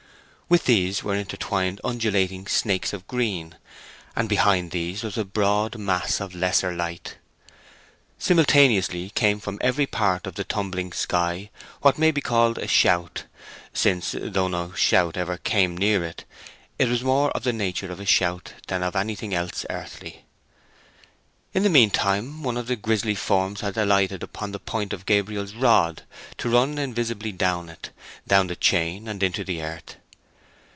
With these were intertwined undulating snakes of green, and behind these was a broad mass of lesser light. Simultaneously came from every part of the tumbling sky what may be called a shout; since, though no shout ever came near it, it was more of the nature of a shout than of anything else earthly. In the meantime one of the grisly forms had alighted upon the point of Gabriel's rod, to run invisibly down it, down the chain, and into the earth.